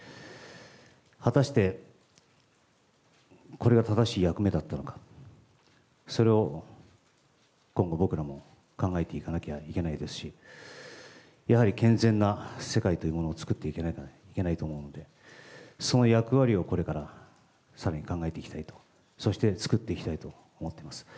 果たしてこれが正しい役目だったのか、それを今後、僕らも考えていかなきゃいけないですし、やはり健全な世界というものを作っていかなきゃいけないと思うんで、その役割をこれからさらに考えていきたいと、そして作っていきたいと思っています。